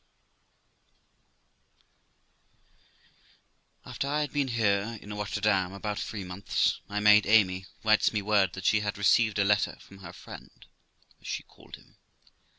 After I had been here about three months, my maid Amy writes me word that she had received a letter from her friend, as she called him.